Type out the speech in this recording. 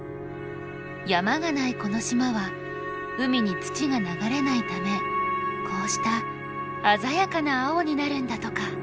山がないこの島は海に土が流れないためこうした鮮やかな青になるんだとか。